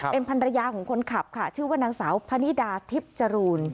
เป็นภรรยาของคนขับค่ะชื่อว่านางสาวพนิดาทิพย์จรูน